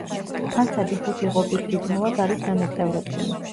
ფასადი ხუთი ღობით რიტმულად არის დანაწევრებული.